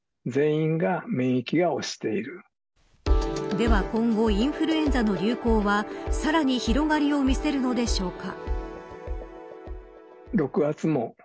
では今後インフルエンザの流行はさらに広がりを見せるのでしょうか。